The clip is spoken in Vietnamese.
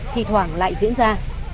thì thoảng lại diễn ra